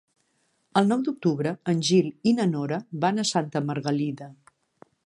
El nou d'octubre en Gil i na Nora van a Santa Margalida.